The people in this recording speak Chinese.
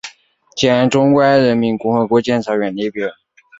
本表注释见中华人民共和国检察院列表。